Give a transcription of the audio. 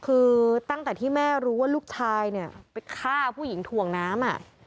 คือตั้งแต่ที่เม่ารู้ว่าลูกชายเนี่ยไปฆ่ายิ่งคนน้ำอ่ะ